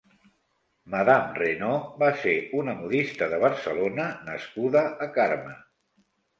Madame Renaud va ser una modista de Barcelona nascuda a Carme.